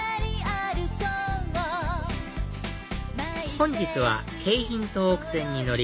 本日は京浜東北線に乗り